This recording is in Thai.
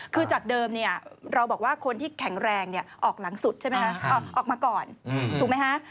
คือจากเดิมเราบอกว่าคนที่แข็งแรงออกหลังสุดใช่ไหมคะออกมาก่อนถูกไหมฮะ